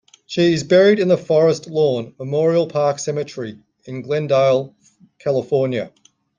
She is buried in the Forest Lawn Memorial Park Cemetery in Glendale, California.